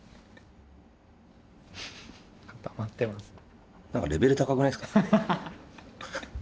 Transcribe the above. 固まってますね。